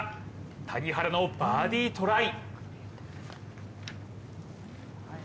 谷原のバーディートライ。